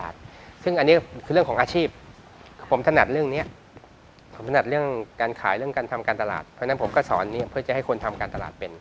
อันที่๒คือเรื่องของ